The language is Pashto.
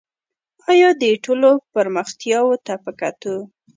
آیا دې ټولو پرمختیاوو ته په کتو